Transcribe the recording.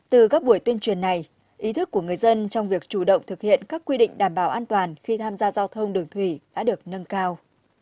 từ các buổi tuyên truyền này ý thức của người dân trong việc chủ động thực hiện các quy định đảm bảo an toàn khi tham gia giao thông đường thủy đã được nâng cao